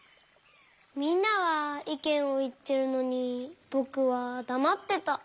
みんなはいけんをいっているのにぼくはだまってた。